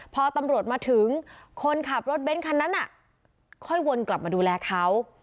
พอตำรวจมาถึงคนขับรถเบ้นคันนั้นค่อยวนกลับมาดูแลเขา